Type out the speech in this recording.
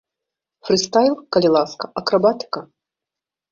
Фрыстайл, калі ласка акрабатыка.